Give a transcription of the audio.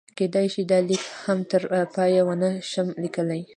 کېدای شي دا لیک هم تر پایه ونه شم لیکلی.